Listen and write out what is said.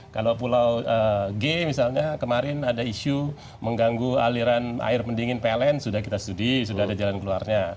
kalau pulau g misalnya kemarin ada isu mengganggu aliran air pendingin pln sudah kita studi sudah ada jalan keluarnya